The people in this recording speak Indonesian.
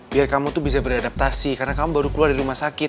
biar kamu tuh bisa beradaptasi karena kamu baru keluar dari rumah sakit